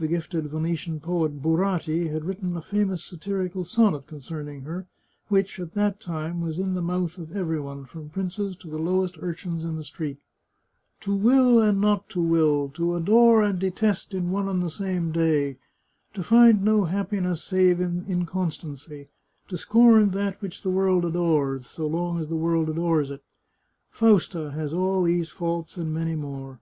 The gifted Venetian poet Burati had written a famous satirical sonnet concerning her, which, at that time, was in the mouth of every one, from princes to the lowest urchins in the street :—" To will and not to will, to adore and detest in one and the same day, to find no happiness save in inconstancy, to scorn that which the world adores, so long as the world adores it — Fausta has all these faults and many more.